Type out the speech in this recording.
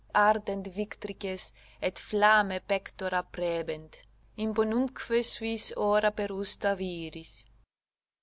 Ardent victrices, et flammae pectora praebent, Imponuntque suis ora perusta viris."